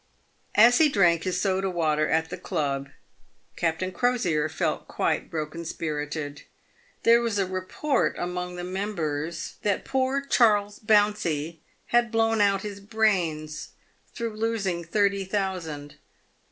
As he drank his soda water at the club, Captain Crosier felt quite broken spirited. There was a report among the members that poor Charles Bouncey had blown out his brains through losing thirty thousand.